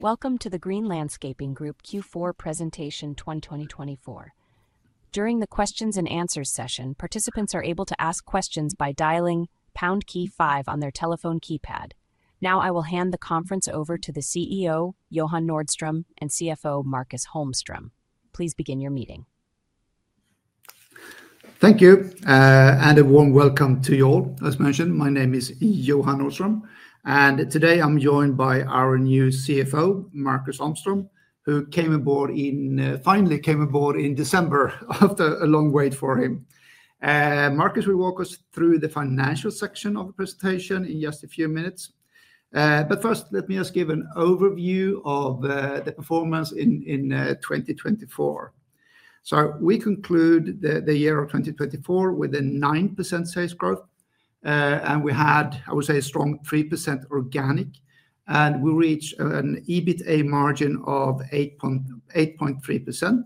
Welcome to the Green Landscaping Group Q4 presentation 2024. During the Q&A session, participants are able to ask questions by dialing #5 on their telephone keypad. Now, I will hand the conference over to the CEO, Johan Nordström, and CFO, Markus Holmström. Please begin your meeting. Thank you, and a warm welcome to you all. As mentioned, my name is Johan Nordström, and today I'm joined by our new CFO, Markus Holmström, who came aboard in, finally came aboard in December after a long wait for him. Markus will walk us through the financial section of the presentation in just a few minutes. But first, let me just give an overview of the performance in 2024. So we conclude the year of 2024 with a 9% sales growth, and we had, I would say, a strong 3% organic, and we reached an EBITA margin of 8.3%.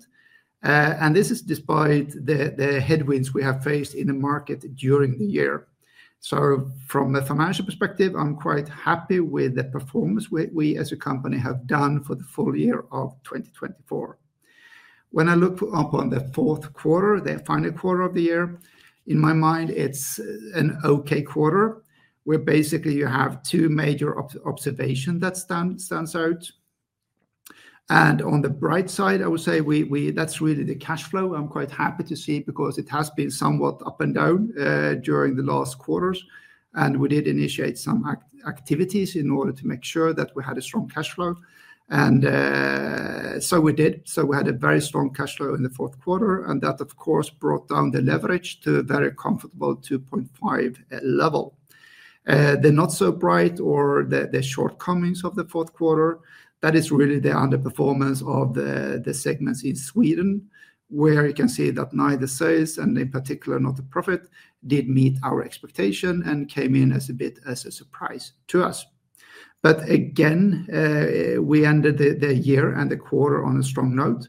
And this is despite the headwinds we have faced in the market during the year. So from a financial perspective, I'm quite happy with the performance we as a company have done for the full year of 2024. When I look up on the fourth quarter, the final quarter of the year, in my mind, it's an okay quarter where basically you have two major observations that stand out. And on the bright side, I would say that's really the cash flow. I'm quite happy to see it because it has been somewhat up and down during the last quarters, and we did initiate some activities in order to make sure that we had a strong cash flow. And so we did. So we had a very strong cash flow in the fourth quarter, and that, of course, brought down the leverage to a very comfortable 2.5 level. The not-so-bright or the shortcomings of the fourth quarter, that is really the underperformance of the segments in Sweden, where you can see that neither sales, and in particular not the profit, did not meet our expectation and came in as a bit of a surprise to us. But again, we ended the year and the quarter on a strong note.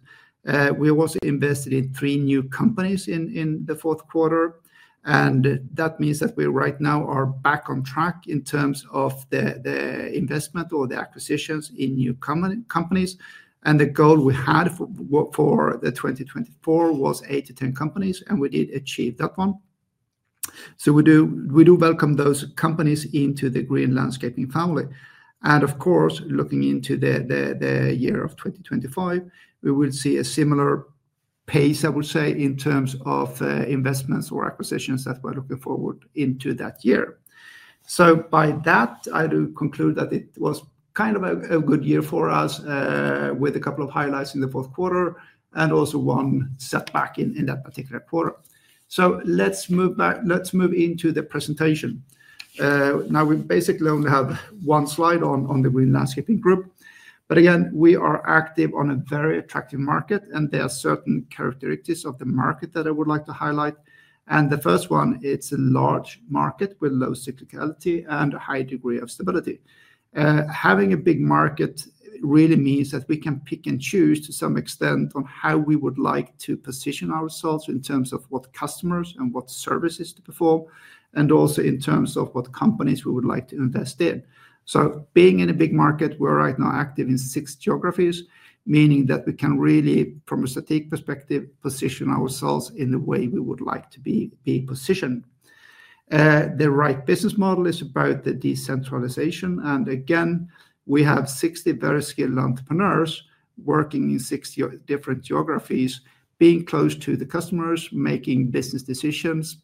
We also invested in three new companies in the fourth quarter, and that means that we right now are back on track in terms of the investment or the acquisitions in new companies. And the goal we had for 2024 was 8-10 companies, and we did achieve that one. So we do welcome those companies into the Green Landscaping family. And of course, looking into the year of 2025, we will see a similar pace, I would say, in terms of investments or acquisitions that we're looking forward to into that year. So by that, I do conclude that it was kind of a good year for us with a couple of highlights in the fourth quarter and also one setback in that particular quarter. So let's move back. Let's move into the presentation. Now, we basically only have one slide on the Green Landscaping Group, but again, we are active on a very attractive market, and there are certain characteristics of the market that I would like to highlight. And the first one, it's a large market with low cyclicality and a high degree of stability. Having a big market really means that we can pick and choose to some extent on how we would like to position ourselves in terms of what customers and what services to perform, and also in terms of what companies we would like to invest in. So being in a big market, we're right now active in six geographies, meaning that we can really, from a strategic perspective, position ourselves in the way we would like to be positioned. The right business model is about the decentralization. And again, we have 60 very skilled entrepreneurs working in 60 different geographies, being close to the customers, making business decisions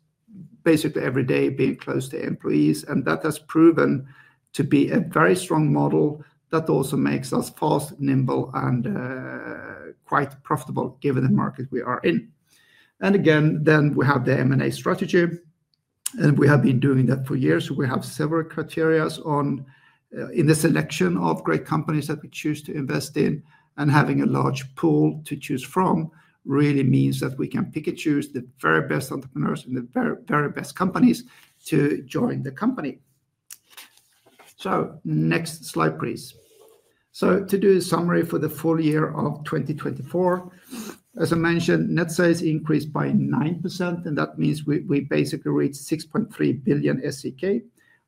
basically every day, being close to employees. And that has proven to be a very strong model that also makes us fast, nimble, and quite profitable given the market we are in. And again, then we have the M&A strategy, and we have been doing that for years. We have several criteria in the selection of great companies that we choose to invest in, and having a large pool to choose from really means that we can pick and choose the very best entrepreneurs and the very best companies to join the company. So next slide, please. So to do a summary for the full year of 2024, as I mentioned, net sales increased by 9%, and that means we basically reached 6.3 billion SEK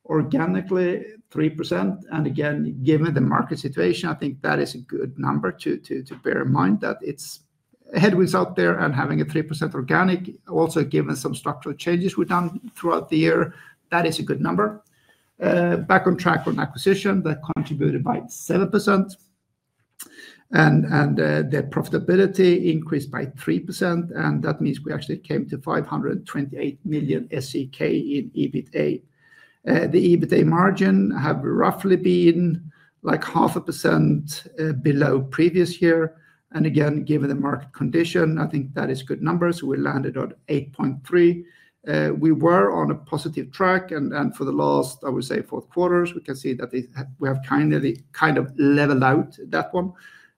organically, 3%. And again, given the market situation, I think that is a good number to bear in mind that it's headwinds out there, and having a 3% organic, also given some structural changes we've done throughout the year, that is a good number. Back on track on acquisition, that contributed by 7%, and the profitability increased by 3%, and that means we actually came to 528 million SEK in EBITA. The EBITA margin has roughly been like 0.5% below previous year, and again, given the market condition, I think that is good numbers. We landed at 8.3. We were on a positive track, and for the last, I would say, fourth quarters, we can see that we have kind of leveled out that one.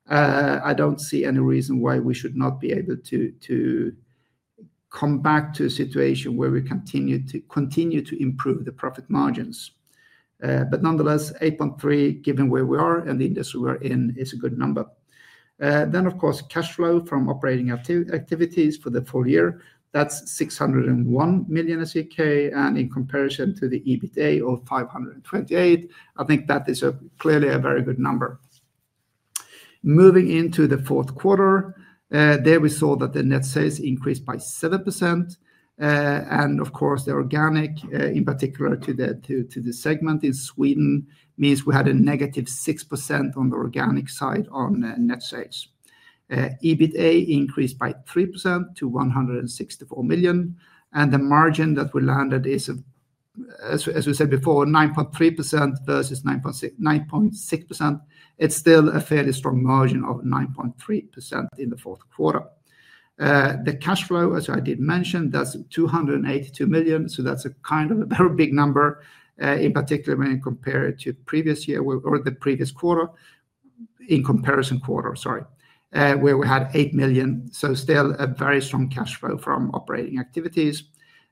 I don't see any reason why we should not be able to come back to a situation where we continue to improve the profit margins, but nonetheless, 8.3, given where we are and the industry we're in, is a good number. Of course, cash flow from operating activities for the full year, that's 601 million SEK, and in comparison to the EBITA of 528 million, I think that is clearly a very good number. Moving into the fourth quarter, there we saw that the net sales increased by 7%. Of course, the organic, in particular to the segment in Sweden, means we had a -6% on the organic side on net sales. EBITA increased by 3% to 164 million, and the margin that we landed is, as we said before, 9.3% versus 9.6%. It's still a fairly strong margin of 9.3% in the fourth quarter. The cash flow, as I did mention, that's 282 million. That's a kind of a very big number, in particular when you compare it to the previous year or the previous quarter, sorry, where we had 8 million. Still a very strong cash flow from operating activities.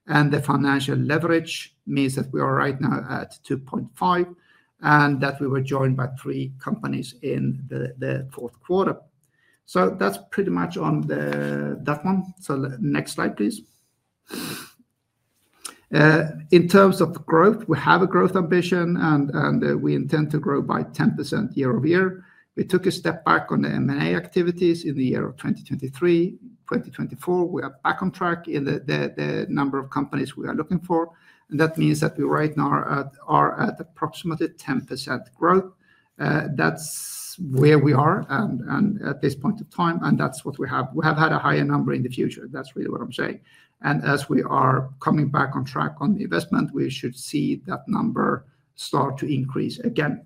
The financial leverage means that we are right now at 2.5 and that we were joined by three companies in the fourth quarter. That's pretty much on that one. Next slide, please. In terms of growth, we have a growth ambition, and we intend to grow by 10% year over year. We took a step back on the M&A activities in the year of 2023. In 2024, we are back on track in the number of companies we are looking for, and that means that we right now are at approximately 10% growth. That's where we are at this point in time, and that's what we have. We have had a higher number in the future. That's really what I'm saying. As we are coming back on track on the investment, we should see that number start to increase again.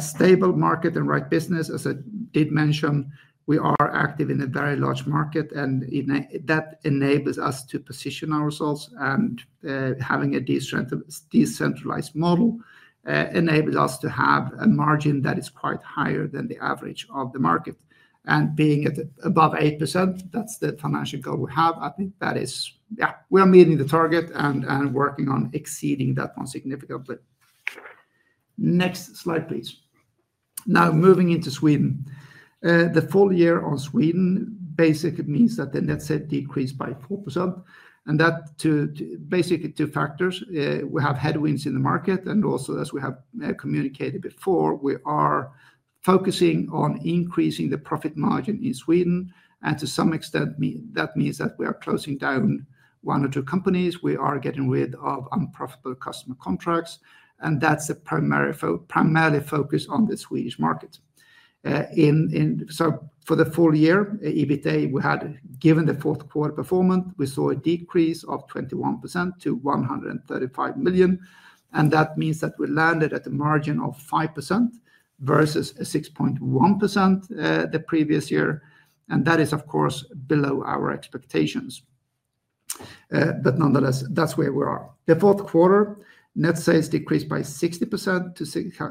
Stable market and right business, as I did mention, we are active in a very large market, and that enables us to position ourselves. Having a decentralized model enables us to have a margin that is quite higher than the average of the market. Being above 8%, that's the financial goal we have. I think that is, yeah, we are meeting the target and working on exceeding that one significantly. Next slide, please. Now, moving into Sweden, the full year on Sweden basically means that the net sales decreased by 4%. And that due to basically two factors. We have headwinds in the market, and also, as we have communicated before, we are focusing on increasing the profit margin in Sweden. To some extent, that means that we are closing down one or two companies. We are getting rid of unprofitable customer contracts, and that's primarily focused on the Swedish market. For the full year, EBITA, we had, given the fourth quarter performance, we saw a decrease of 21% to 135 million. That means that we landed at a margin of 5% versus 6.1% the previous year. That is, of course, below our expectations. Nonetheless, that's where we are. The fourth quarter, net sales decreased by 60% to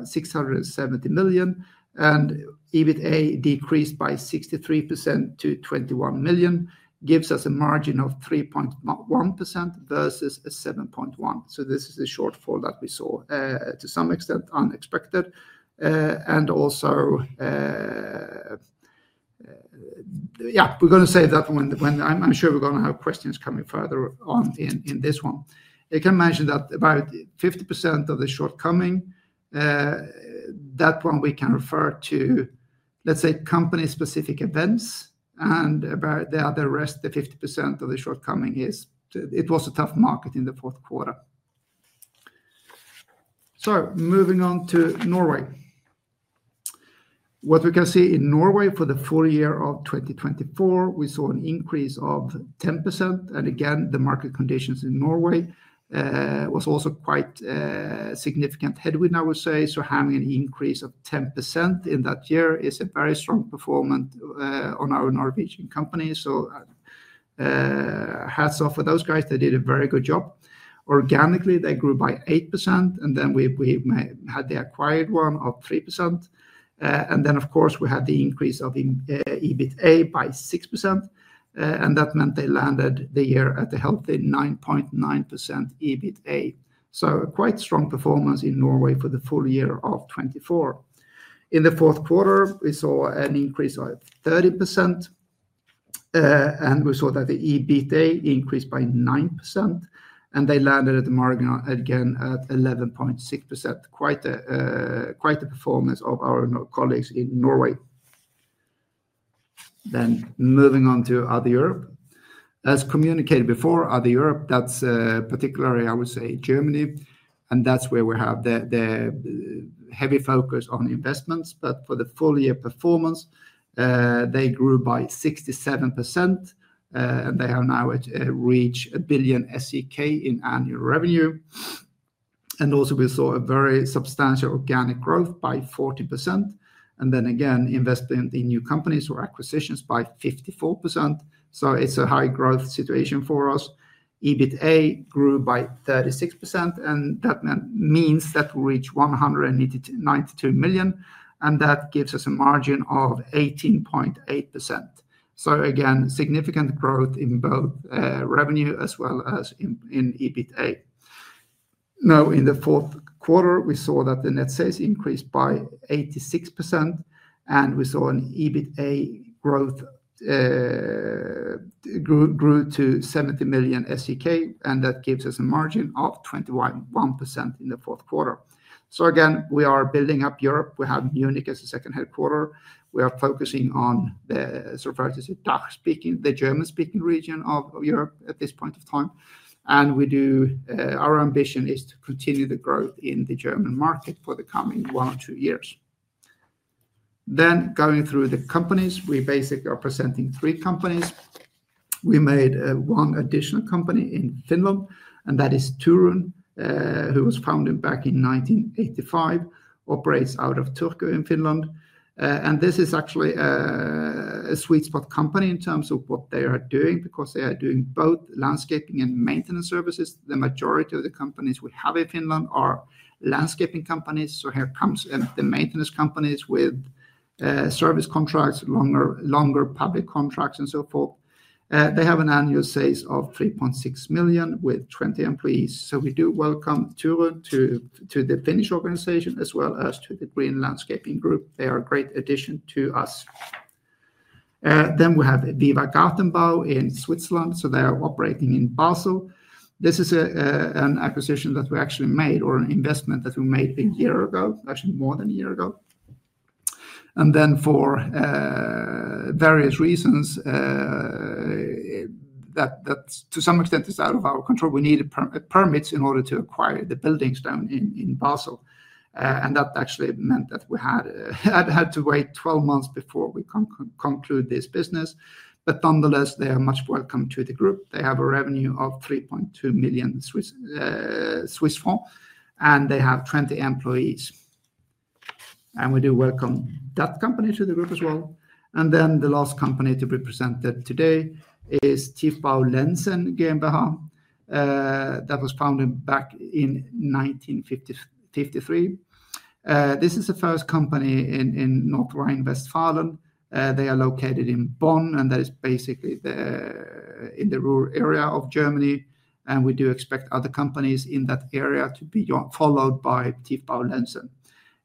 670 million, and EBITA decreased by 63% to 21 million gives us a margin of 3.1% versus 7.1%. This is a shortfall that we saw to some extent unexpected. Also, yeah, we're going to say that when I'm sure we're going to have questions coming further on in this one. I can mention that about 50% of the shortcoming, that one we can refer to, let's say, company-specific events, and the other rest, the 50% of the shortcoming is. It was a tough market in the fourth quarter. So moving on to Norway. What we can see in Norway for the full year of 2024, we saw an increase of 10%. And again, the market conditions in Norway was also quite significant headwind, I would say. So having an increase of 10% in that year is a very strong performance on our Norwegian company. So hats off for those guys. They did a very good job. Organically, they grew by 8%, and then we had the acquired one of 3%. And then, of course, we had the increase of EBITA by 6%, and that meant they landed the year at a healthy 9.9% EBITA. Quite strong performance in Norway for the full year of 2024. In the fourth quarter, we saw an increase of 30%, and we saw that the EBITA increased by 9%, and they landed at the margin again at 11.6%. Quite a performance of our colleagues in Norway. Moving on to other Europe. As communicated before, other Europe, that's particularly, I would say, Germany, and that's where we have the heavy focus on investments. For the full year performance, they grew by 67%, and they have now reached 1 billion SEK in annual revenue. Also, we saw a very substantial organic growth by 40%. And then again, investing in new companies or acquisitions by 54%. It's a high growth situation for us. EBITA grew by 36%, and that means that we reached 192 million, and that gives us a margin of 18.8%. So again, significant growth in both revenue as well as in EBITA. Now, in the fourth quarter, we saw that the net sales increased by 86%, and we saw an EBITA growth grew to 70 million SEK, and that gives us a margin of 21% in the fourth quarter. So again, we are building up Europe. We have Munich as a second headquarters. We are focusing on the, so far as I speak, the German-speaking region of Europe at this point of time. And our ambition is to continue the growth in the German market for the coming one or two years. Then going through the companies, we basically are presenting three companies. We made one additional company in Finland, and that is Turun, who was founded back in 1985, operates out of Turku in Finland. This is actually a sweet spot company in terms of what they are doing because they are doing both landscaping and maintenance services. The majority of the companies we have in Finland are landscaping companies. So here comes the maintenance companies with service contracts, longer public contracts, and so forth. They have annual sales of 3.6 million with 20 employees. So we do welcome Turun to the Finnish organization as well as to the Green Landscaping Group. They are a great addition to us. Then we have Viva Gartenbau in Switzerland. So they are operating in Basel. This is an acquisition that we actually made or an investment that we made a year ago, actually more than a year ago. And then for various reasons, that to some extent is out of our control. We needed permits in order to acquire the buildings down in Basel. That actually meant that we had to wait 12 months before we concluded this business. Nonetheless, they are much welcome to the group. They have a revenue of 3.2 million, and they have 20 employees. We do welcome that company to the group as well. Then the last company to be presented today is Tiefbau Lenz GmbH that was founded back in 1953. This is the first company in North Rhine-Westphalia. They are located in Bonn, and that is basically in the rural area of Germany. We do expect other companies in that area to be followed by Tiefbau Lenz.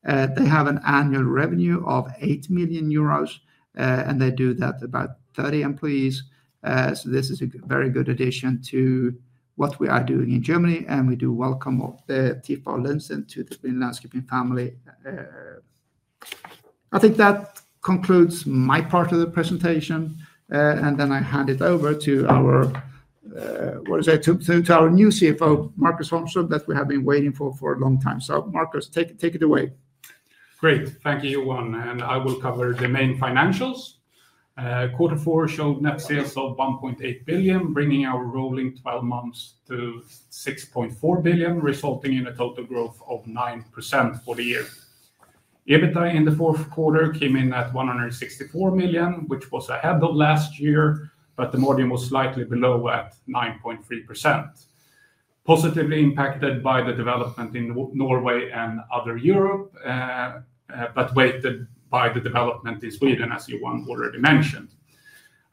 They have an annual revenue of 8 million euros, and they have about 30 employees. This is a very good addition to what we are doing in Germany, and we do welcome Tiefbau Lenz to the Green Landscaping family. I think that concludes my part of the presentation, and then I hand it over to our, what is it, to our new CFO, Marcus Holmström, that we have been waiting for a long time. So Markus, take it away. Great. Thank you, Johan, and I will cover the main financials. Quarter four showed net sales of 1.8 billion, bringing our rolling 12 months to 6.4 billion, resulting in a total growth of 9% for the year. EBITA in the fourth quarter came in at 164 million, which was ahead of last year, but the margin was slightly below at 9.3%. Positively impacted by the development in Norway and other Europe, but weighted by the development in Sweden, as Johan already mentioned.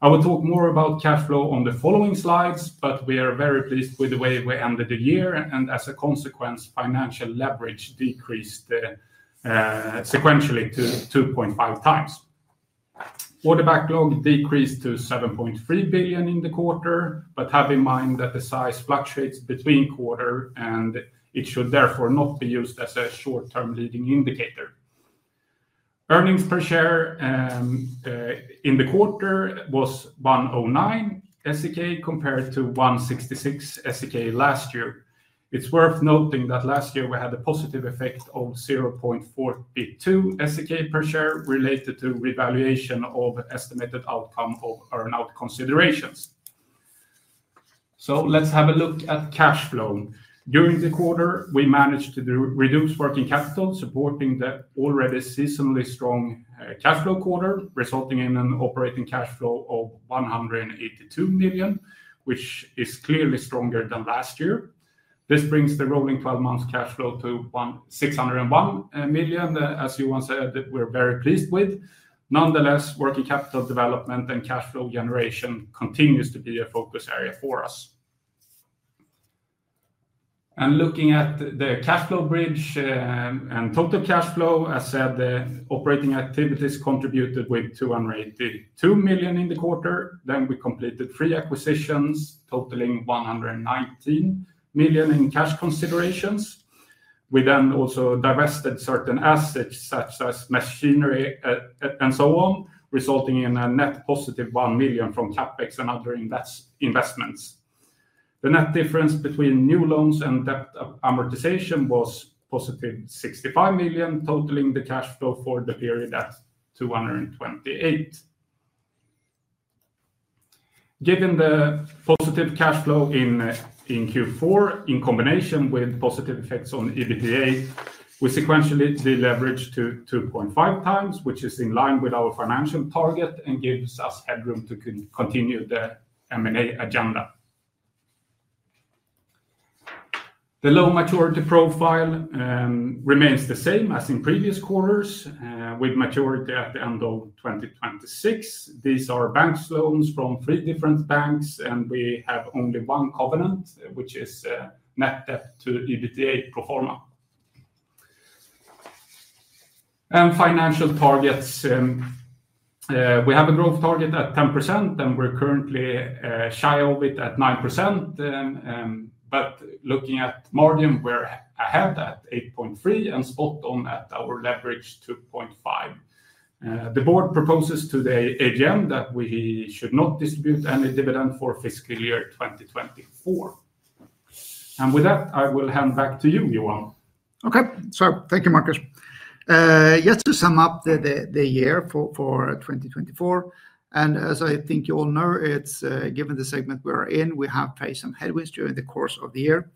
I will talk more about cash flow on the following slides, but we are very pleased with the way we ended the year, and as a consequence, financial leverage decreased sequentially to 2.5 times. Order backlog decreased to 7.3 billion in the quarter, but have in mind that the size fluctuates between quarters, and it should therefore not be used as a short-term leading indicator. Earnings per share in the quarter was 109 SEK compared to 166 SEK last year. It's worth noting that last year we had a positive effect of 0.42 SEK per share related to revaluation of estimated outcome of earn-out considerations. So let's have a look at cash flow. During the quarter, we managed to reduce working capital, supporting the already seasonally strong cash flow quarter, resulting in an operating cash flow of 182 million, which is clearly stronger than last year. This brings the rolling 12-month cash flow to 601 million, as Johan said, that we're very pleased with. Nonetheless, working capital development and cash flow generation continues to be a focus area for us. Looking at the cash flow bridge and total cash flow, as said, operating activities contributed with 282 million in the quarter. We completed three acquisitions, totaling 119 million in cash considerations. We then also divested certain assets such as machinery and so on, resulting in a net positive one million from CapEx and other investments. The net difference between new loans and debt amortization was positive 65 million, totaling the cash flow for the period at 228 million. Given the positive cash flow in Q4, in combination with positive effects on EBITA, we sequentially deleveraged to 2.5 times, which is in line with our financial target and gives us headroom to continue the M&A agenda. The loan maturity profile remains the same as in previous quarters, with maturity at the end of 2026. These are bank loans from three different banks, and we have only one covenant, which is net debt to EBITA pro forma. And financial targets, we have a growth target at 10%, and we're currently shy of it at 9%. But looking at margin, we're ahead at 8.3 and spot on at our leverage 2.5. The board proposes to the AGM that we should not distribute any dividend for fiscal year 2024. And with that, I will hand back to you, Johan. Okay, so thank you, Markus. Just to sum up the year for 2024, and as I think you all know, given the segment we're in, we have faced some headwinds during the course of the year.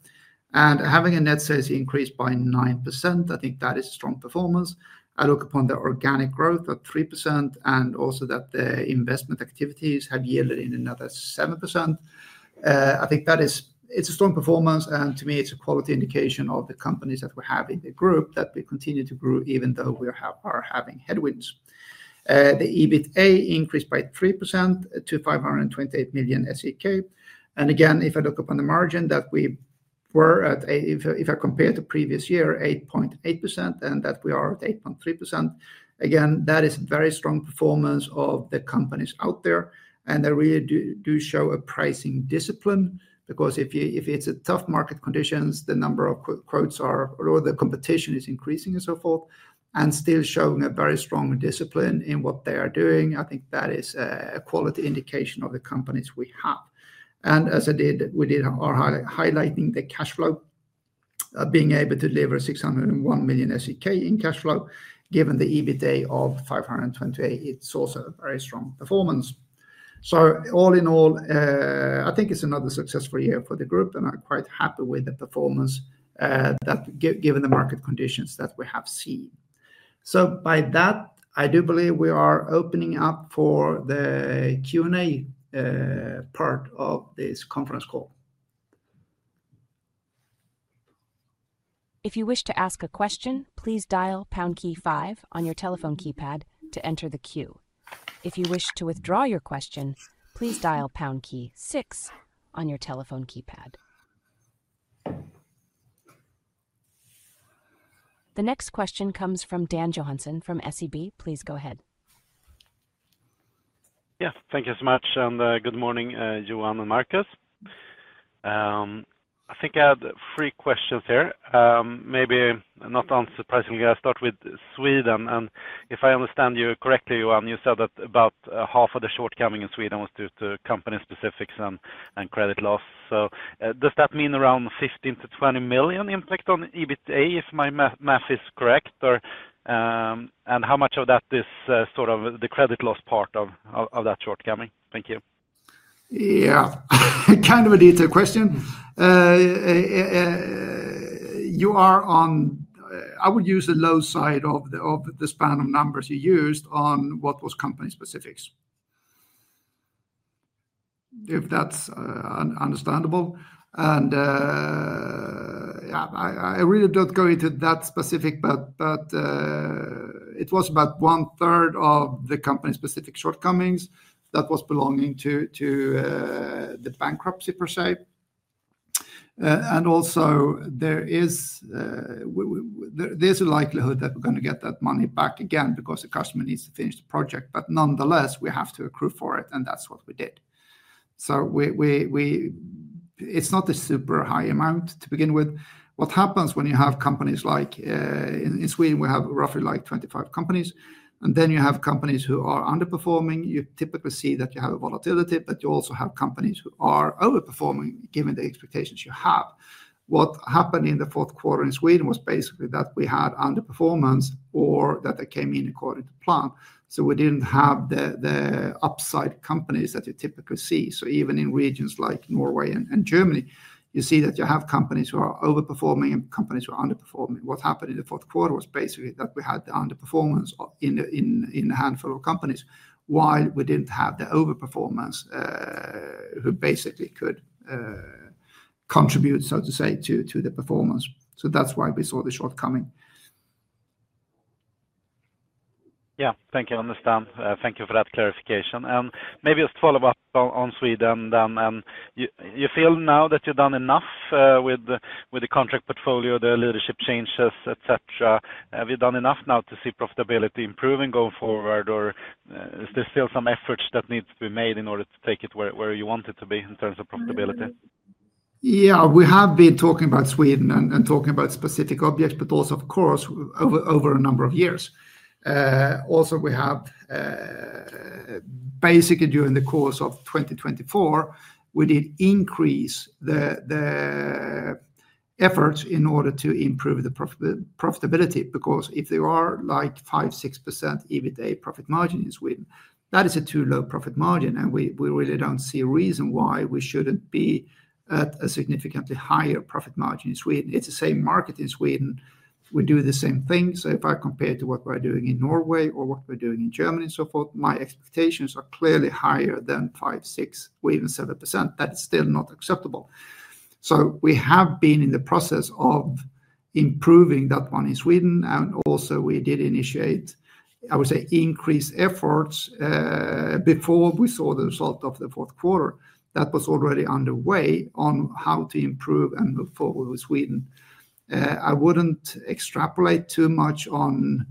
Having a net sales increase by 9%, I think that is a strong performance. I look upon the organic growth at 3% and also that the investment activities have yielded in another 7%. I think that is, it's a strong performance, and to me, it's a quality indication of the companies that we have in the group that we continue to grow even though we are having headwinds. The EBITA increased by 3% to 528 million SEK. And again, if I look upon the margin that we were at, if I compare to previous year, 8.8% and that we are at 8.3%, again, that is a very strong performance of the companies out there. They really do show a pricing discipline because if it's a tough market conditions, the number of quotes are or the competition is increasing and so forth, and still showing a very strong discipline in what they are doing. I think that is a quality indication of the companies we have. As I did, we did our highlighting the cash flow, being able to deliver 601 million SEK in cash flow, given the EBITA of 528. It's also a very strong performance. All in all, I think it's another successful year for the group, and I'm quite happy with the performance given the market conditions that we have seen. By that, I do believe we are opening up for the Q&A part of this conference call. If you wish to ask a question, please dial pound key five on your telephone keypad to enter the queue. If you wish to withdraw your question, please dial pound key six on your telephone keypad. The next question comes from Dan Johansson from SEB. Please go ahead. Yes, thank you so much, and good morning, Johan and Markus. I think I had three questions here. Maybe not unsurprisingly, I'll start with Sweden. If I understand you correctly, Johan, you said that about half of the shortcoming in Sweden was due to company specifics and credit loss. So does that mean around 15 million-20 million impact on EBITA, if my math is correct? And how much of that is sort of the credit loss part of that shortcoming? Thank you. Yeah, kind of a detailed question. You are on, I would use the low side of the span of numbers you used on what was company specifics. If that's understandable. Yeah, I really don't go into that specific, but it was about one third of the company specific shortcomings that was belonging to the bankruptcy per se. Also, there's a likelihood that we're going to get that money back again because the customer needs to finish the project. Nonetheless, we have to accrue for it, and that's what we did. It's not a super high amount to begin with. What happens when you have companies like in Sweden? We have roughly like 25 companies. Then you have companies who are underperforming. You typically see that you have a volatility, but you also have companies who are overperforming given the expectations you have. What happened in the fourth quarter in Sweden was basically that we had underperformance or that they came in according to plan. We didn't have the upside companies that you typically see. So even in regions like Norway and Germany, you see that you have companies who are overperforming and companies who are underperforming. What happened in the fourth quarter was basically that we had the underperformance in a handful of companies, while we didn't have the overperformance who basically could contribute, so to say, to the performance. So that's why we saw the shortcoming. Yeah, thank you. I understand. Thank you for that clarification. And maybe just follow up on Sweden then. And you feel now that you've done enough with the contract portfolio, the leadership changes, etc.? Have you done enough now to see profitability improving going forward, or is there still some efforts that need to be made in order to take it where you want it to be in terms of profitability? Yeah, we have been talking about Sweden and talking about specific objects, but also, of course, over a number of years. Also, we have basically during the course of 2024, we did increase the efforts in order to improve the profitability because if there are like 5%, 6% EBITA profit margin in Sweden, that is a too low profit margin, and we really don't see a reason why we shouldn't be at a significantly higher profit margin in Sweden. It's the same market in Sweden. We do the same thing. So if I compare to what we're doing in Norway or what we're doing in Germany and so forth, my expectations are clearly higher than 5%, 6%, or even 7%. That is still not acceptable. So we have been in the process of improving that one in Sweden, and also we did initiate, I would say, increased efforts before we saw the result of the fourth quarter. That was already underway on how to improve and move forward with Sweden. I wouldn't extrapolate too much on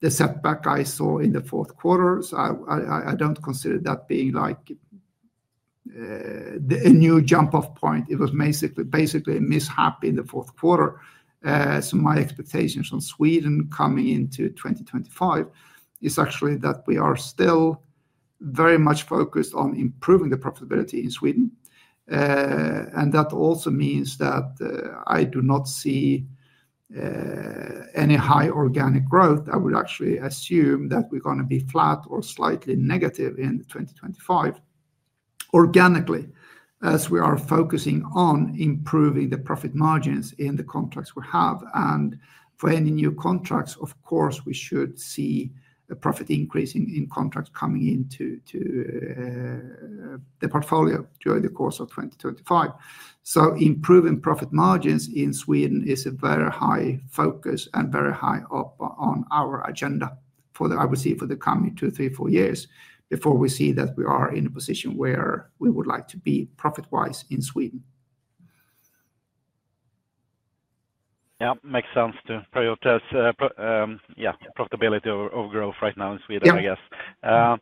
the setback I saw in the fourth quarter. So I don't consider that being like a new jump-off point. It was basically a mishap in the fourth quarter. So my expectations from Sweden coming into 2025 is actually that we are still very much focused on improving the profitability in Sweden. And that also means that I do not see any high organic growth. I would actually assume that we're going to be flat or slightly negative in 2025 organically, as we are focusing on improving the profit margins in the contracts we have. For any new contracts, of course, we should see a profit increase in contracts coming into the portfolio during the course of 2025. Improving profit margins in Sweden is a very high focus and very high up on our agenda for the, I would say, for the coming two, three, four years before we see that we are in a position where we would like to be profit-wise in Sweden. Yeah, makes sense to prioritize, yeah, profitability or growth right now in Sweden, I guess.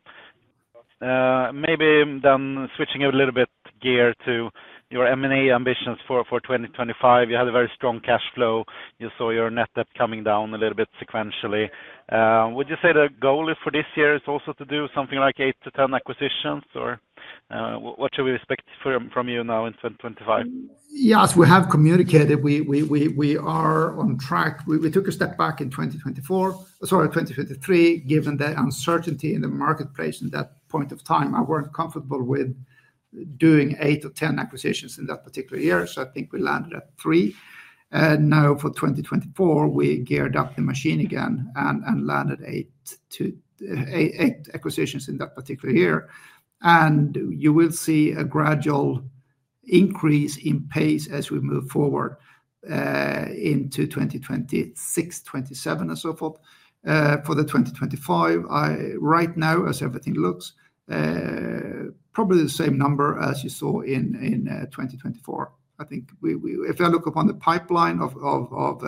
Maybe then switching a little bit gear to your M&A ambitions for 2025. You had a very strong cash flow. You saw your net debt coming down a little bit sequentially. Would you say the goal for this year is also to do something like 8-10 acquisitions, or what should we expect from you now in 2025? Yes, we have communicated. We are on track. We took a step back in 2024, sorry, 2023, given the uncertainty in the marketplace at that point of time. I weren't comfortable with doing eight to 10 acquisitions in that particular year. So I think we landed at three. Now for 2024, we geared up the machine again and landed eight acquisitions in that particular year. And you will see a gradual increase in pace as we move forward into 2026, 2027, and so forth for the 2025. Right now, as everything looks, probably the same number as you saw in 2024. I think if I look upon the pipeline of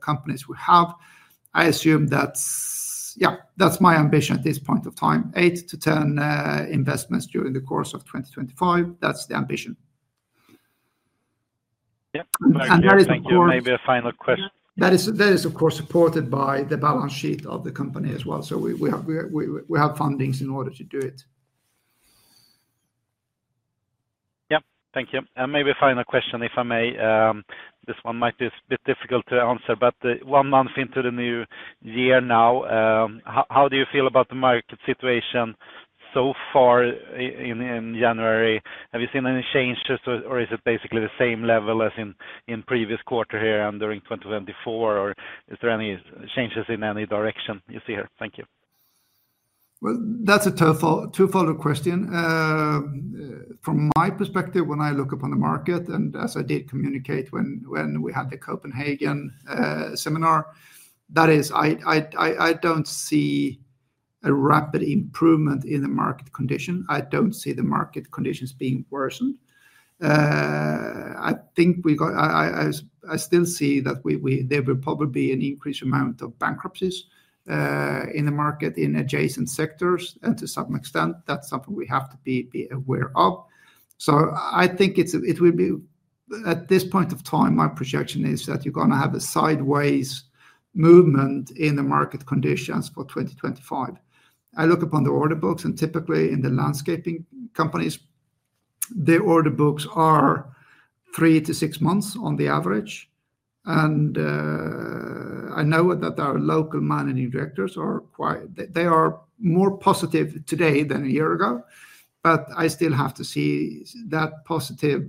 companies we have, I assume that's, yeah, that's my ambition at this point of time. Eight to 10 investments during the course of 2025. That's the ambition. Yeah, and that is, of course, maybe a final question. That is, of course, supported by the balance sheet of the company as well. So we have fundings in order to do it. Yep, thank you. Maybe a final question, if I may. This one might be a bit difficult to answer, but one month into the new year now, how do you feel about the market situation so far in January? Have you seen any changes, or is it basically the same level as in previous quarter here and during 2024, or is there any changes in any direction you see here? Thank you. That's a two-fold question. From my perspective, when I look upon the market, and as I did communicate when we had the Copenhagen seminar, that is, I don't see a rapid improvement in the market condition. I don't see the market conditions being worsened. I think I still see that there will probably be an increased amount of bankruptcies in the market in adjacent sectors, and to some extent, that's something we have to be aware of. So I think it will be, at this point of time, my projection is that you're going to have a sideways movement in the market conditions for 2025. I look upon the order books, and typically in the landscaping companies, the order books are three to six months on the average. And I know that our local managing directors are quite, they are more positive today than a year ago, but I still have to see that positive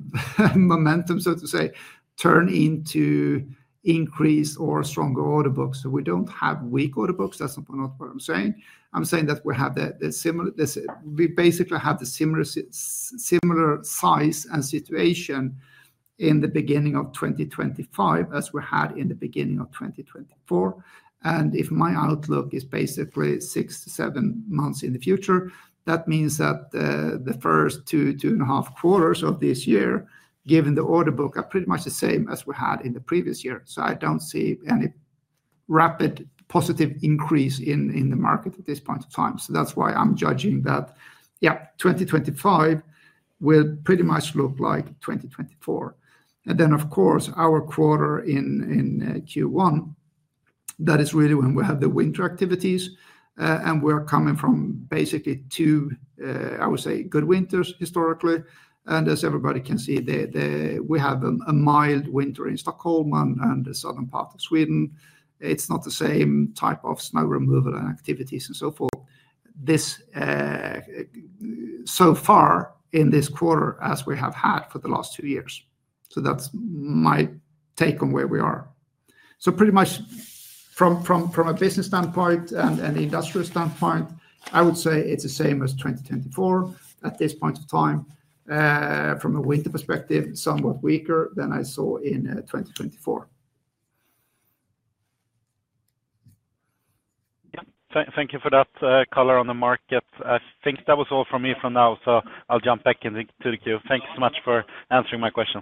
momentum, so to say, turn into increased or stronger order books. So we don't have weak order books. That's not what I'm saying. I'm saying that we have the, we basically have the similar size and situation in the beginning of 2025 as we had in the beginning of 2024. And if my outlook is basically six to seven months in the future, that means that the first two, two and a half quarters of this year, given the order book, are pretty much the same as we had in the previous year. So I don't see any rapid positive increase in the market at this point of time. So that's why I'm judging that, yeah, 2025 will pretty much look like 2024. And then, of course, our quarter in Q1, that is really when we have the winter activities, and we're coming from basically two, I would say, good winters historically. And as everybody can see, we have a mild winter in Stockholm and the southern part of Sweden. It's not the same type of snow removal and activities and so forth so far in this quarter as we have had for the last two years. So that's my take on where we are. So pretty much from a business standpoint and an industrial standpoint, I would say it's the same as 2024 at this point of time. From a winter perspective, somewhat weaker than I saw in 2024. Yep, thank you for that color on the market. I think that was all from me for now, so I'll jump back into the queue. Thank you so much for answering my question.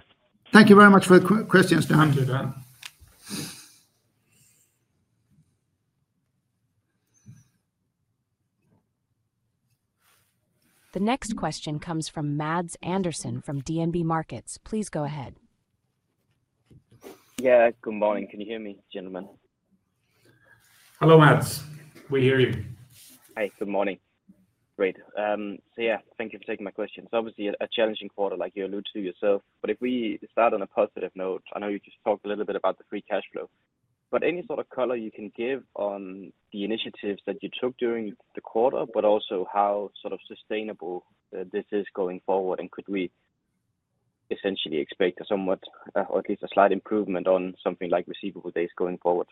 Thank you very much for the questions, Dan. The next question comes from Mads Andersen from DNB Markets. Please go ahead. Yeah, good morning. Can you hear me, gentlemen? Hello, Mads. We hear you. Hi, good morning. Great. So yeah, thank you for taking my question. So obviously, a challenging quarter, like you alluded to yourself. But if we start on a positive note, I know you just talked a little bit about the free cash flow. But any sort of color you can give on the initiatives that you took during the quarter, but also how sort of sustainable this is going forward, and could we essentially expect somewhat or at least a slight improvement on something like receivable days going forward?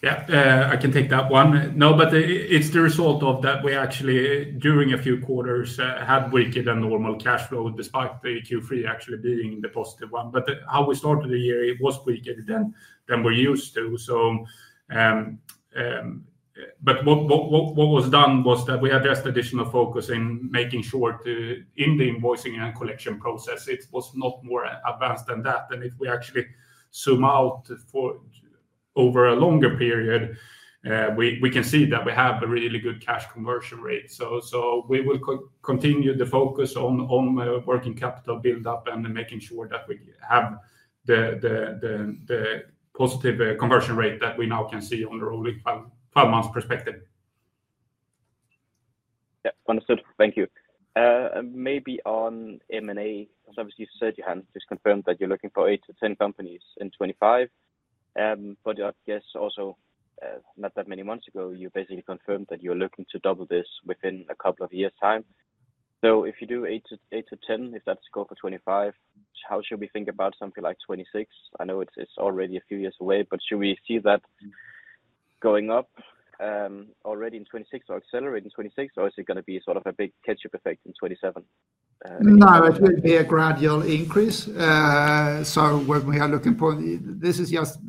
Yeah, I can take that one. No, but it's the result of that we actually, during a few quarters, had weaker than normal cash flow despite Q3 actually being the positive one. But how we started the year, it was weaker than we're used to. But what was done was that we addressed additional focus in making sure in the invoicing and collection process, it was not more advanced than that. If we actually zoom out over a longer period, we can see that we have a really good cash conversion rate. We will continue the focus on working capital build-up and making sure that we have the positive conversion rate that we now can see on a roughly five-month perspective. Yeah, understood. Thank you. Maybe on M&A, obviously you said you had just confirmed that you're looking for eight to 10 companies in 2025. I guess also not that many months ago, you basically confirmed that you're looking to double this within a couple of years' time. If you do eight to 10, if that's the goal for 2025, how should we think about something like 2026? I know it's already a few years away, but should we see that going up already in 2026 or accelerate in 2026, or is it going to be sort of a big ketchup effect in 2027? No, it will be a gradual increase. When we are looking for, this is just,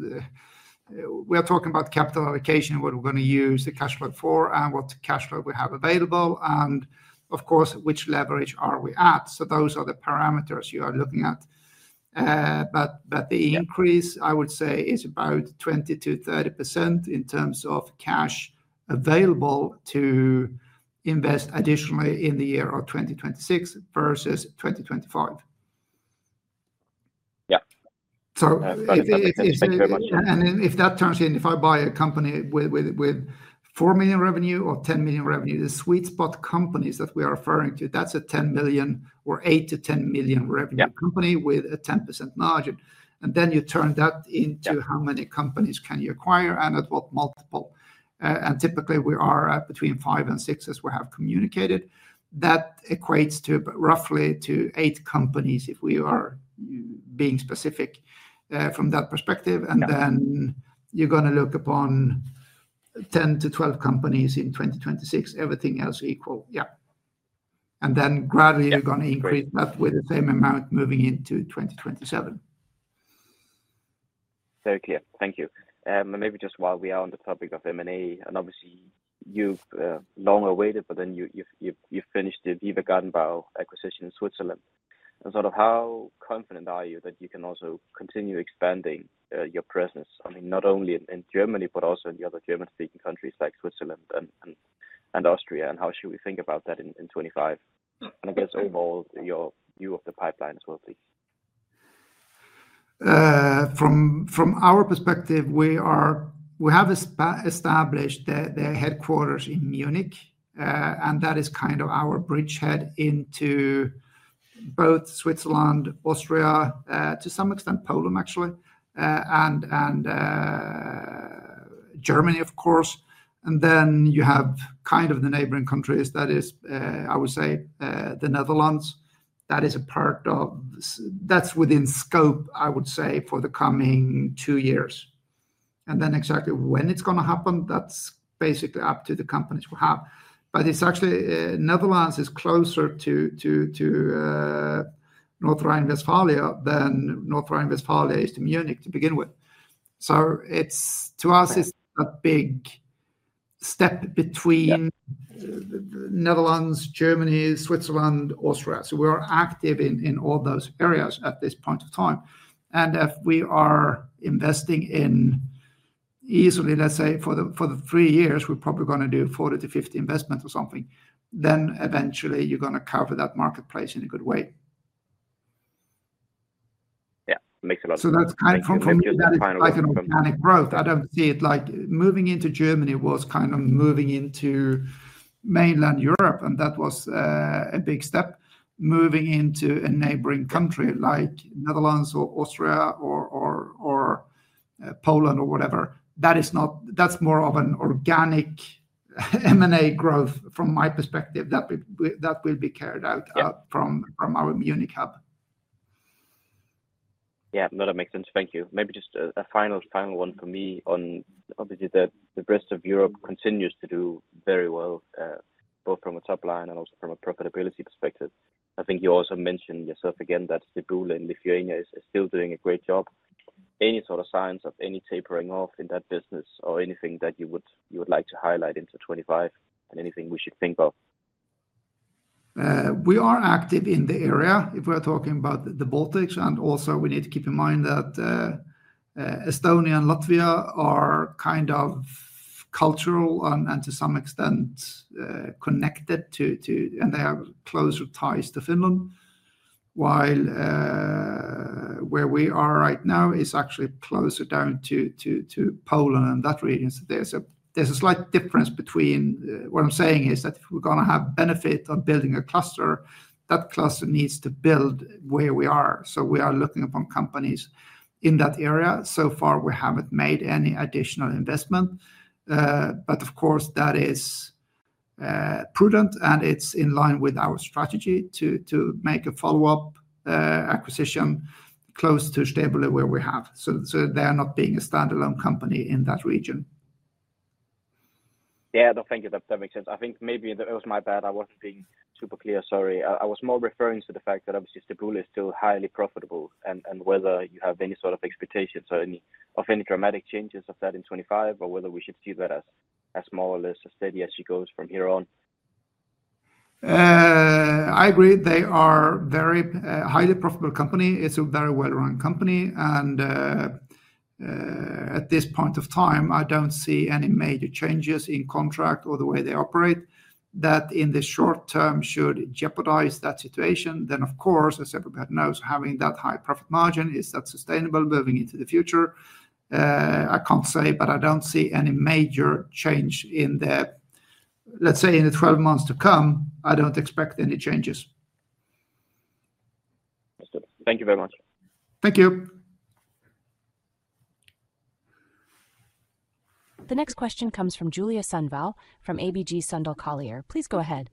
we are talking about capital allocation, what we're going to use the cash flow for and what cash flow we have available, and of course, which leverage are we at. Those are the parameters you are looking at. But the increase, I would say, is about 20% - 30% in terms of cash available to invest additionally in the year of 2026 versus 2025. Yeah. Thank you very much. If that turns in, if I buy a company with 4 million revenue or 10 million revenue, the sweet spot companies that we are referring to, that's a 10 million or 8-10 million revenue company with a 10% margin. Then you turn that into how many companies can you acquire and at what multiple. Typically, we are between five and six, as we have communicated. That equates to roughly eight companies if we are being specific from that perspective. Then you're going to look upon 10-12 companies in 2026. Everything else equal, yeah. Then gradually you're going to increase that with the same amount moving into 2027. Very clear. Thank you. Maybe just while we are on the topic of M&A, and obviously you've long awaited, but then you've finished the Viva Gartenbau acquisition in Switzerland. Sort of how confident are you that you can also continue expanding your presence, I mean, not only in Germany, but also in the other German-speaking countries like Switzerland and Austria, and how should we think about that in 2025? And I guess overall, your view of the pipeline as well, please. From our perspective, we have established the headquarters in Munich, and that is kind of our bridgehead into both Switzerland, Austria, to some extent Poland, actually, and Germany, of course. And then you have kind of the neighboring countries. That is, I would say, the Netherlands. That is a part of, that's within scope, I would say, for the coming two years. And then exactly when it's going to happen, that's basically up to the companies we have. But it's actually Netherlands is closer to North Rhine-Westphalia than North Rhine-Westphalia is to Munich to begin with. To us, it's a big step between Netherlands, Germany, Switzerland, Austria. We are active in all those areas at this point of time. If we are investing in easily, let's say, for the three years, we're probably going to do 40-50 investments or something, then eventually you're going to cover that marketplace in a good way. Yeah, makes a lot of sense. That's kind of from a growth. I don't see it like moving into Germany was kind of moving into mainland Europe, and that was a big step. Moving into a neighboring country like Netherlands or Austria or Poland or whatever, that's more of an organic M&A growth from my perspective that will be carried out from our Munich hub. Yeah, no, that makes sense. Thank you. Maybe just a final one for me on, obviously, the rest of Europe continues to do very well, both from a top line and also from a profitability perspective. I think you also mentioned yourself again that Stebulė in Lithuania is still doing a great job. Any sort of signs of any tapering off in that business or anything that you would like to highlight into 25 and anything we should think of? We are active in the area. If we're talking about the Baltics, and also we need to keep in mind that Estonia and Latvia are kind of cultural and to some extent connected to, and they have closer ties to Finland. While where we are right now is actually closer down to Poland and that region. So there's a slight difference between what I'm saying is that if we're going to have benefit of building a cluster, that cluster needs to build where we are. So we are looking upon companies in that area. So far, we haven't made any additional investment. But of course, that is prudent, and it's in line with our strategy to make a follow-up acquisition close to Stebulė where we have. So they're not being a standalone company in that region. Yeah, no, thank you. That makes sense. I think maybe it was my bad. I wasn't being super clear. Sorry. I was more referring to the fact that obviously Stebule is still highly profitable and whether you have any sort of expectations of any dramatic changes of that in 25 or whether we should see that as small or as steady as she goes from here on. I agree. They are a very highly profitable company. It's a very well-run company, and at this point of time, I don't see any major changes in contract or the way they operate that in the short term should jeopardize that situation. Then, of course, as everybody knows, having that high profit margin, is that sustainable moving into the future? I can't say, but I don't see any major change in the, let's say, in the 12 months to come. I don't expect any changes. Understood. Thank you very much. Thank you. The next question comes from Julia Sundvall from ABG Sundal Collier. Please go ahead.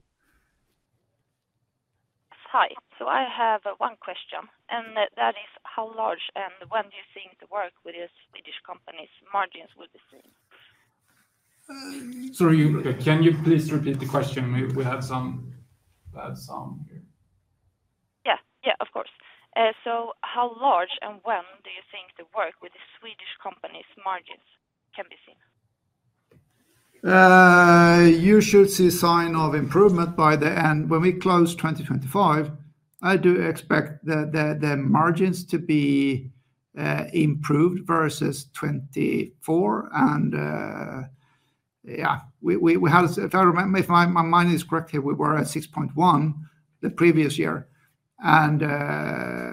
Hi. So I have one question, and that is how large and when do you think the work with the Swedish companies' margins will be seen? Sorry, can you please repeat the question? We had some here. Yeah, yeah, of course. So how large and when do you think the work with the Swedish companies' margins can be seen? You should see signs of improvement by the end. When we close 2025, I do expect the margins to be improved versus 2024. And yeah, if I remember, if my mind is correct here, we were at 6.1 the previous year. And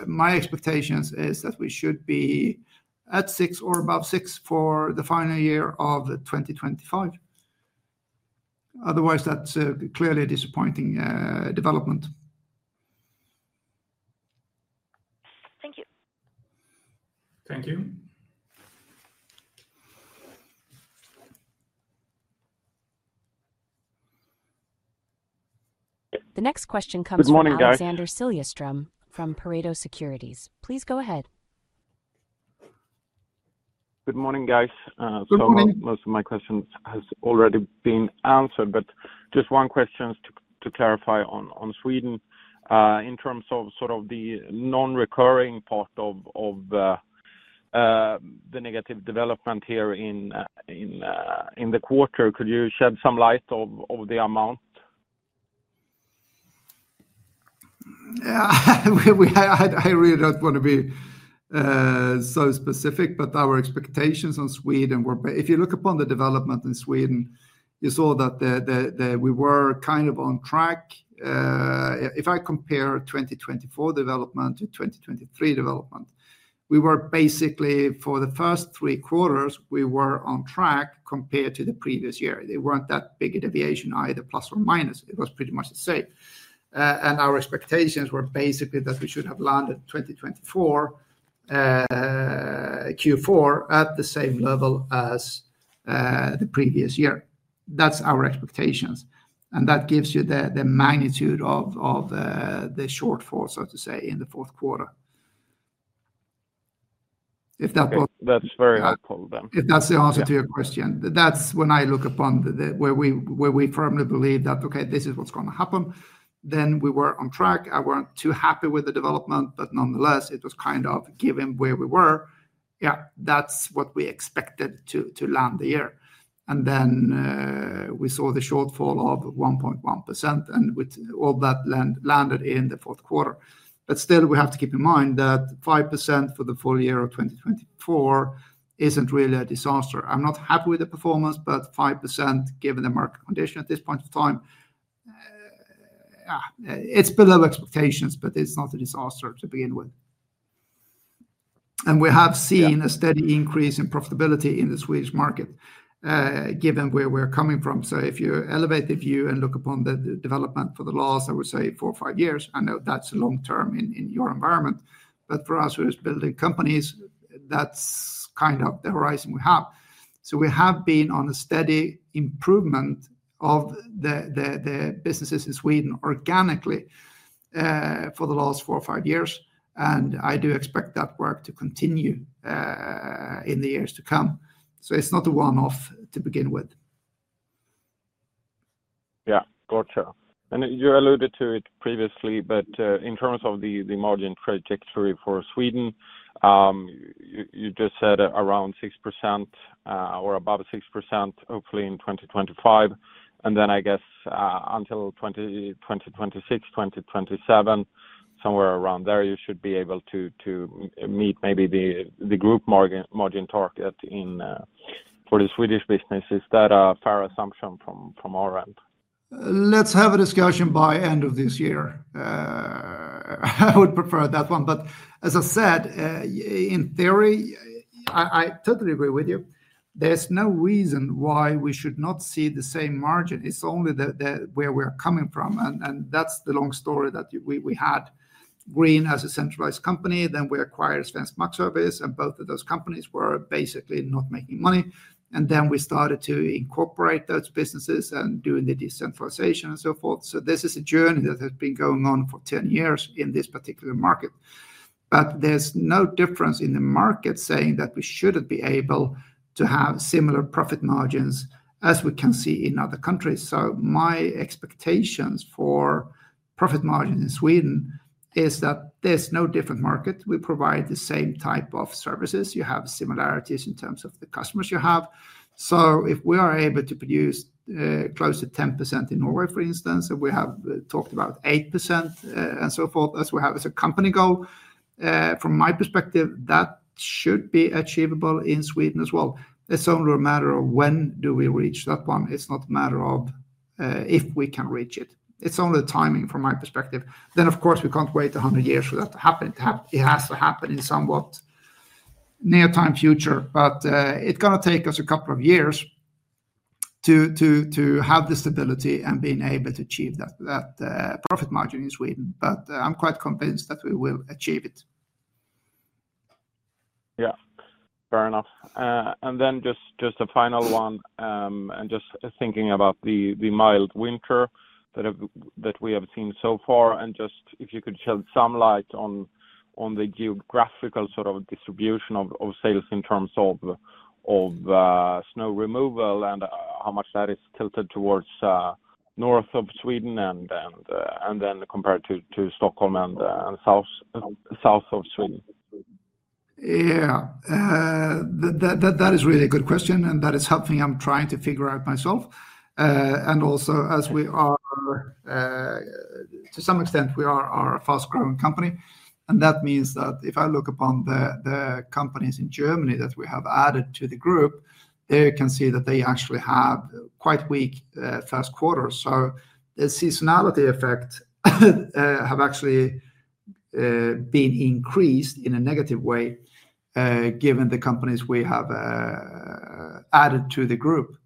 my expectation is that we should be at 6 or above 6 for the final year of 2025. Otherwise, that's clearly a disappointing development. Thank you. Thank you. The next question comes from Alexander Siljeström from Pareto Securities. Please go ahead. Good morning, guys. So most of my questions have already been answered, but just one question to clarify on Sweden in terms of sort of the non-recurring part of the negative development here in the quarter. Could you shed some light on the amount? I really don't want to be so specific, but our expectations on Sweden were, if you look upon the development in Sweden, you saw that we were kind of on track. If I compare 2024 development to 2023 development, we were basically, for the first three quarters, on track compared to the previous year. There weren't that big a deviation either, plus or minus. It was pretty much the same, and our expectations were basically that we should have landed 2024 Q4 at the same level as the previous year. That's our expectations, and that gives you the magnitude of the shortfall, so to say, in the fourth quarter. If that was, that's very helpful, then. If that's the answer to your question, that's when I look upon where we firmly believe that, okay, this is what's going to happen, then we were on track. I weren't too happy with the development, but nonetheless, it was kind of given where we were. Yeah, that's what we expected to land the year. And then we saw the shortfall of 1.1%, and all that landed in the fourth quarter. But still, we have to keep in mind that 5% for the full year of 2024 isn't really a disaster. I'm not happy with the performance, but 5% given the market condition at this point of time, it's below expectations, but it's not a disaster to begin with. And we have seen a steady increase in profitability in the Swedish market given where we're coming from. So if you elevate the view and look upon the development for the last, I would say, four or five years, I know that's long-term in your environment. But for us, who are building companies, that's kind of the horizon we have. So we have been on a steady improvement of the businesses in Sweden organically for the last four or five years. And I do expect that work to continue in the years to come. So it's not a one-off to begin with. Yeah, gotcha. And you alluded to it previously, but in terms of the margin trajectory for Sweden, you just said around 6% or above 6%, hopefully in 2025. And then I guess until 2026, 2027, somewhere around there, you should be able to meet maybe the group margin target for the Swedish business. Is that a fair assumption from our end? Let's have a discussion by end of this year. I would prefer that one. But as I said, in theory, I totally agree with you. There's no reason why we should not see the same margin. It's only where we are coming from. That's the long story that we had. Green as a centralized company, then we acquired Svensk Markservice, and both of those companies were basically not making money. And then we started to incorporate those businesses and doing the decentralization and so forth. So this is a journey that has been going on for 10 years in this particular market. But there's no difference in the market saying that we shouldn't be able to have similar profit margins as we can see in other countries. So my expectations for profit margins in Sweden is that there's no different market. We provide the same type of services. You have similarities in terms of the customers you have. So if we are able to produce close to 10% in Norway, for instance, and we have talked about 8% and so forth, as we have as a company goal, from my perspective, that should be achievable in Sweden as well. It's only a matter of when do we reach that one. It's not a matter of if we can reach it. It's only the timing from my perspective. Then, of course, we can't wait 100 years for that to happen. It has to happen in somewhat near-time future, but it's going to take us a couple of years to have the stability and being able to achieve that profit margin in Sweden. But I'm quite convinced that we will achieve it. Yeah, fair enough. And then just a final one and just thinking about the mild winter that we have seen so far. Just if you could shed some light on the geographical sort of distribution of sales in terms of snow removal and how much that is tilted towards north of Sweden and then compared to Stockholm and south of Sweden. Yeah, that is really a good question, and that is something I'm trying to figure out myself. Also, as we are, to some extent, we are a fast-growing company. That means that if I look upon the companies in Germany that we have added to the group, you can see that they actually have quite weak first quarters. The seasonality effects have actually been increased in a negative way given the companies we have added to the group.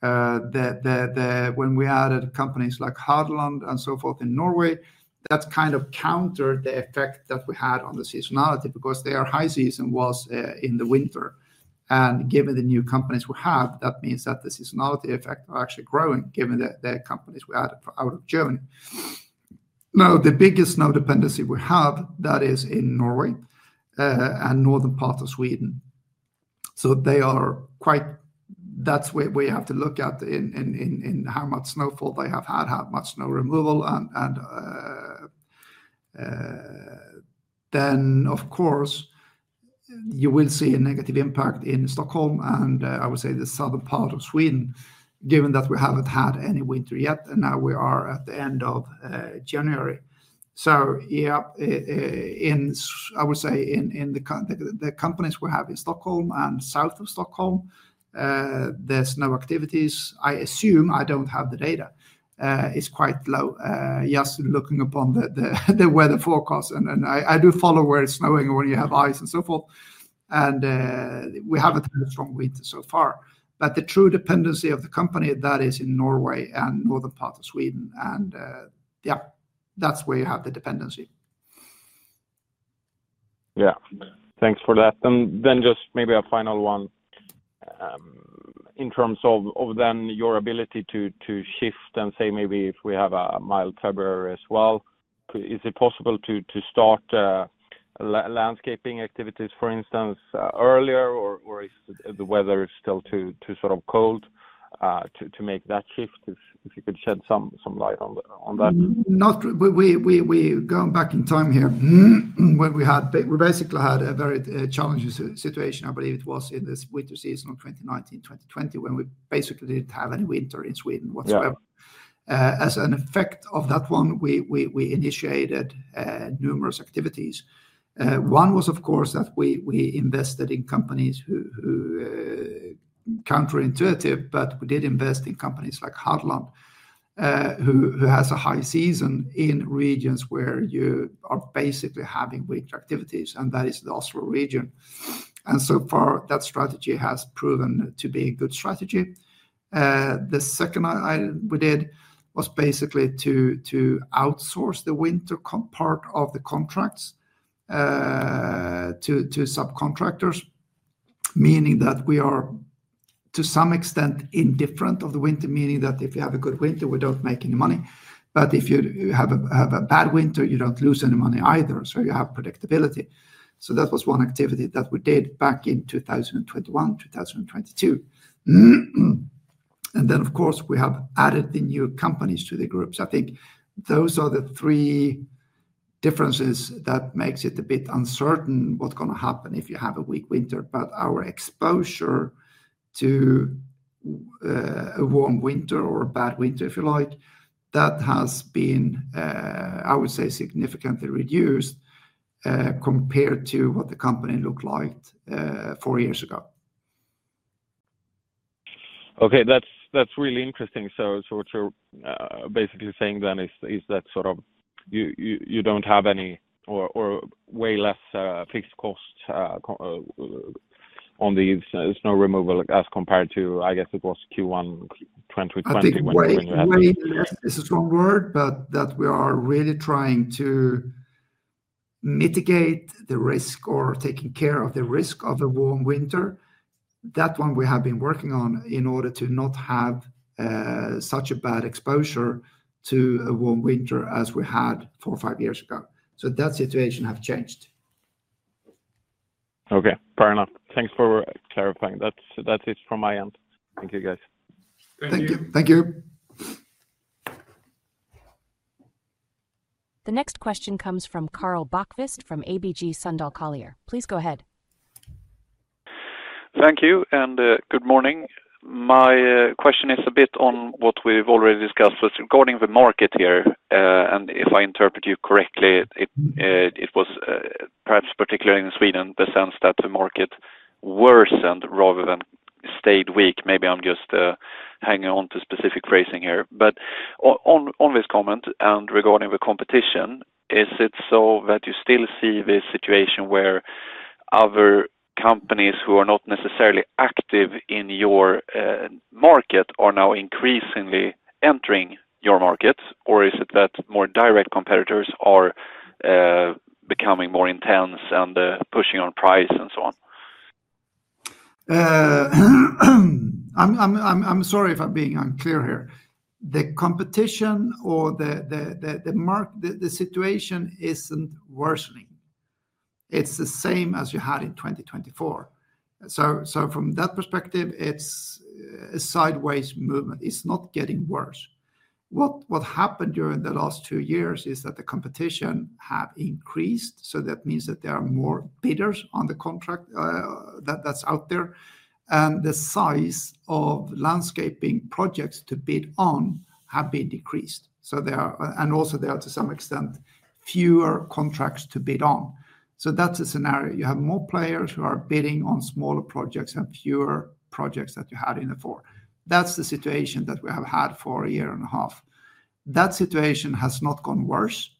When we added companies like Håland and so forth in Norway, that's kind of countered the effect that we had on the seasonality because their high season was in the winter. Given the new companies we have, that means that the seasonality effects are actually growing given the companies we added out of Germany. Now, the biggest snow dependency we have, that is in Norway and northern part of Sweden. So that's where we have to look at in how much snowfall they have had, how much snow removal. And then, of course, you will see a negative impact in Stockholm and, I would say, the southern part of Sweden, given that we haven't had any winter yet. Now we are at the end of January. So yeah, I would say in the companies we have in Stockholm and south of Stockholm, there's no activities. I assume I don't have the data. It's quite low. Just looking upon the weather forecast, and I do follow where it's snowing and where you have ice and so forth. And we haven't had a strong winter so far. But the true dependency of the company, that is in Norway and northern part of Sweden. And yeah, that's where you have the dependency. Yeah, thanks for that. And then just maybe a final one in terms of then your ability to shift and say maybe if we have a mild February as well, is it possible to start landscaping activities, for instance, earlier, or is the weather still too sort of cold to make that shift? If you could shed some light on that. We're going back in time here when we basically had a very challenging situation. I believe it was in the winter season of 2019, 2020, when we basically didn't have any winter in Sweden whatsoever. As an effect of that one, we initiated numerous activities. One was, of course, that we invested in companies who are counterintuitive, but we did invest in companies like Håland, who has a high season in regions where you are basically having winter activities, and that is the Austria region. And so far, that strategy has proven to be a good strategy. The second item we did was basically to outsource the winter part of the contracts to subcontractors, meaning that we are to some extent indifferent of the winter, meaning that if you have a good winter, we don't make any money. But if you have a bad winter, you don't lose any money either. So you have predictability. So that was one activity that we did back in 2021, 2022. And then, of course, we have added the new companies to the groups. I think those are the three differences that make it a bit uncertain what's going to happen if you have a weak winter. But our exposure to a warm winter or a bad winter, if you like, that has been, I would say, significantly reduced compared to what the company looked like four years ago. Okay, that's really interesting. So what you're basically saying then is that sort of you don't have any or way less fixed cost on the snow removal as compared to, I guess, it was Q1 2020 when you had. It's a strong word, but that we are really trying to mitigate the risk or taking care of the risk of a warm winter. That one we have been working on in order to not have such a bad exposure to a warm winter as we had four or five years ago. So that situation has changed. Okay, fair enough. Thanks for clarifying. That's it from my end. Thank you, guys. Thank you. Thank you. The next question comes from Karl Bokvist from ABG Sundal Collier. Please go ahead. Thank you and good morning. My question is a bit on what we've already discussed, but regarding the market here, and if I interpret you correctly, it was perhaps particularly in Sweden, the sense that the market worsened rather than stayed weak. Maybe I'm just hanging on to specific phrasing here. But on this comment and regarding the competition, is it so that you still see the situation where other companies who are not necessarily active in your market are now increasingly entering your market, or is it that more direct competitors are becoming more intense and pushing on price and so on? I'm sorry if I'm being unclear here. The competition or the situation isn't worsening. It's the same as you had in 2024. So from that perspective, it's a sideways movement. It's not getting worse. What happened during the last two years is that the competition has increased. So that means that there are more bidders on the contract that's out there. And the size of landscaping projects to bid on has been decreased. And also, there are to some extent fewer contracts to bid on. So that's a scenario. You have more players who are bidding on smaller projects and fewer projects that you had in '24. That's the situation that we have had for a year and a half. That situation has not gone worse.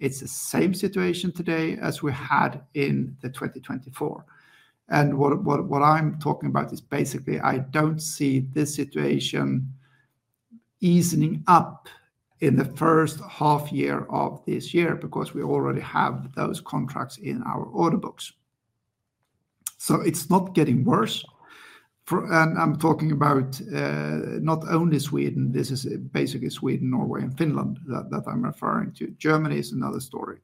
It's the same situation today as we had in 2024, and what I'm talking about is basically I don't see this situation easing up in the first half year of this year because we already have those contracts in our order books. So it's not getting worse, and I'm talking about not only Sweden. This is basically Sweden, Norway, and Finland that I'm referring to. Germany is another story,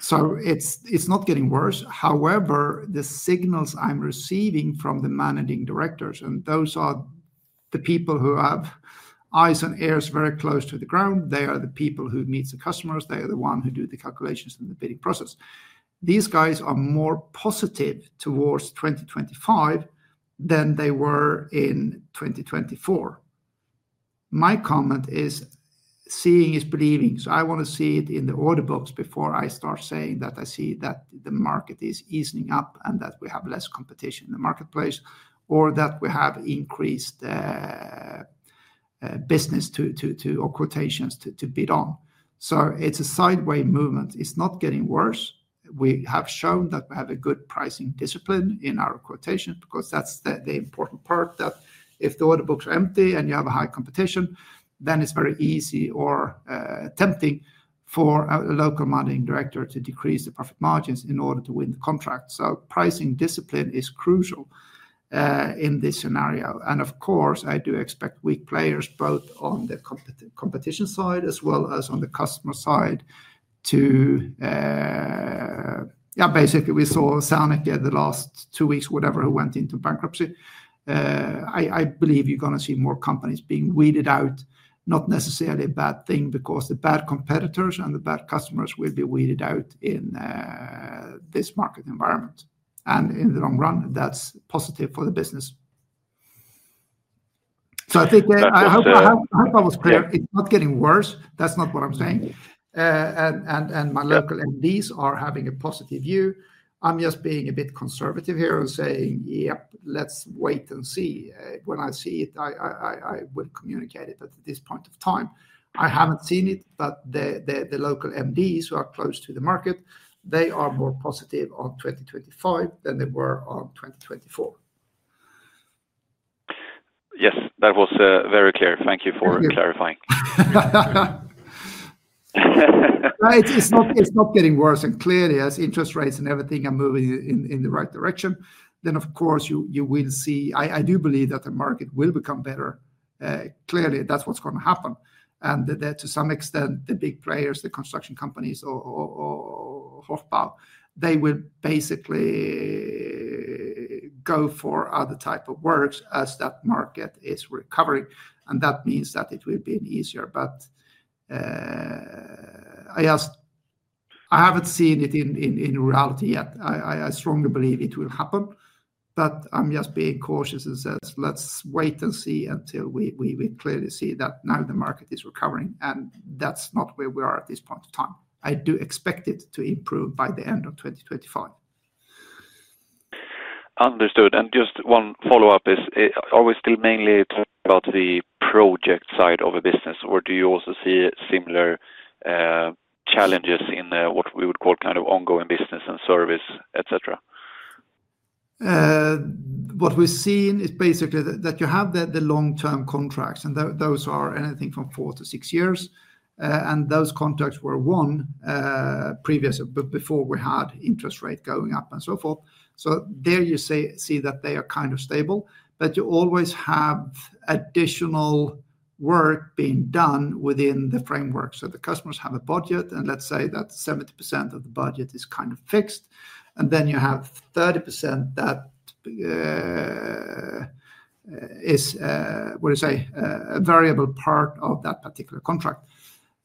so it's not getting worse. However, the signals I'm receiving from the managing directors, and those are the people who have eyes and ears very close to the ground. They are the people who meet the customers. They are the ones who do the calculations and the bidding process. These guys are more positive towards 2025 than they were in 2024. My comment is seeing is believing. So I want to see it in the order books before I start saying that I see that the market is easing up and that we have less competition in the marketplace or that we have increased business or quotations to bid on. So it's a sideways movement. It's not getting worse. We have shown that we have a good pricing discipline in our quotations because that's the important part that if the order books are empty and you have a high competition, then it's very easy or tempting for a local managing director to decrease the profit margins in order to win the contract. So pricing discipline is crucial in this scenario. Of course, I do expect weak players both on the competition side as well as on the customer side to basically we saw Serneke here the last two weeks, whatever, who went into bankruptcy. I believe you're going to see more companies being weeded out, not necessarily a bad thing because the bad competitors and the bad customers will be weeded out in this market environment. In the long run, that's positive for the business. I think I hope I was clear. It's not getting worse. That's not what I'm saying. My local MDs are having a positive view. I'm just being a bit conservative here and saying, yep, let's wait and see. When I see it, I will communicate it at this point of time. I haven't seen it, but the local MDs who are close to the market, they are more positive on 2025 than they were on 2024. Yes, that was very clear. Thank you for clarifying. It's not getting worse, and clearly, as interest rates and everything are moving in the right direction, then of course, you will see I do believe that the market will become better. Clearly, that's what's going to happen, and to some extent, the big players, the construction companies or Hochbau, they will basically go for other types of works as that market is recovering. And that means that it will be easier, but I haven't seen it in reality yet. I strongly believe it will happen, but I'm just being cautious and say, let's wait and see until we clearly see that now the market is recovering. That's not where we are at this point in time. I do expect it to improve by the end of 2025. Understood. Just one follow-up is, are we still mainly talking about the project side of a business, or do you also see similar challenges in what we would call kind of ongoing business and service, etc.? What we've seen is basically that you have the long-term contracts, and those are anything from four to six years. Those contracts were won before we had interest rates going up and so forth. So there you see that they are kind of stable, but you always have additional work being done within the framework. So the customers have a budget, and let's say that 70% of the budget is kind of fixed. And then you have 30% that is, what do you say, a variable part of that particular contract.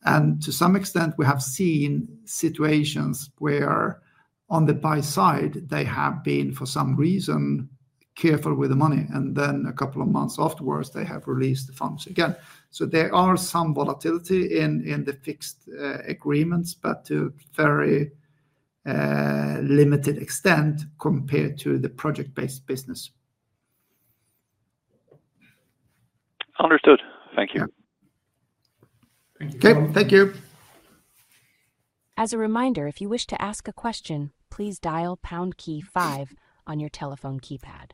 And to some extent, we have seen situations where on the buy side, they have been, for some reason, careful with the money. And then a couple of months afterwards, they have released the funds again. So there is some volatility in the fixed agreements, but to a very limited extent compared to the project-based business. Understood. Thank you. Okay. Thank you. As a reminder, if you wish to ask a question, please dial pound key 5 on your telephone keypad.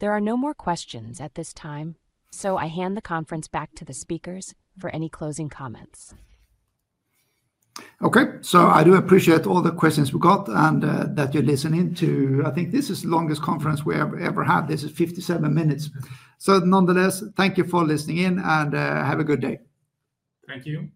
There are no more questions at this time, so I hand the conference back to the speakers for any closing comments. Okay. So I do appreciate all the questions we got and that you're listening to. I think this is the longest conference we have ever had. This is 57 minutes. So nonetheless, thank you for listening in and have a good day. Thank you.